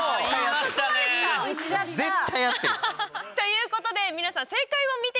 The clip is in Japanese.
絶対合ってる。ということで皆さん正解を見てみましょう。